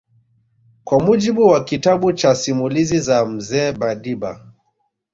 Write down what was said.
Kwa mujibu wa kitabu cha Simulizi za Mzee Madiba